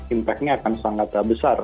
impact nya akan sangat besar